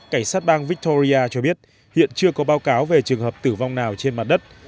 cảnh sát bang victoria cho biết hiện chưa có báo cáo về trường hợp tử vong nào trên mặt đất